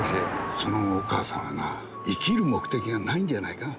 そのお母さんはな生きる目的がないんじゃないか？